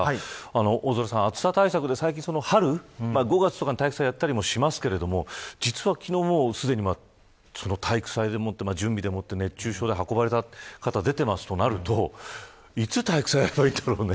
大空さん、暑さ対策で春５月とかに体育祭をしたりしますけれども昨日すでに体育祭の準備で熱中症で運ばれた方出てますとなるといつ体育祭やればいいんだろうね。